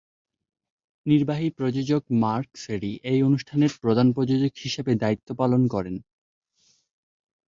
নির্বাহী প্রযোজক Mark Cherry এই অনুষ্ঠানের প্রধান প্রযোজক হিসেবে দায়িত্ব পালন করেন।